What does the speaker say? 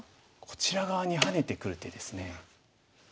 こちら側にハネてくる手ですね。